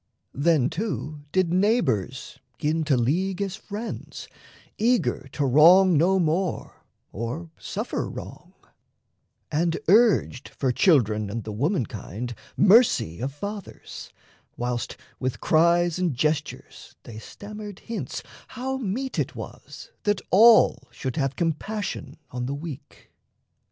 Then, too, did neighbours 'gin to league as friends, Eager to wrong no more or suffer wrong, And urged for children and the womankind Mercy, of fathers, whilst with cries and gestures They stammered hints how meet it was that all Should have compassion on the weak.